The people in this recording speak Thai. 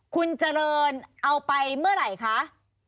คุณเจริญเอาไปเมื่อไหร่คะ